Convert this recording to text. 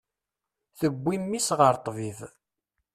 Tewwi mmi-s ɣer ṭṭbib.